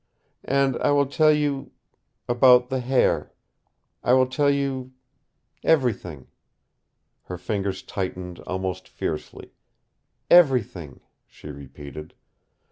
And I will tell you about the hair. I will tell you everything." Her fingers tightened almost fiercely. "Everything," she repeated.